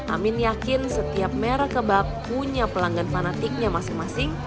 amin yakin setiap merek kebab punya pelanggan fanatiknya masing masing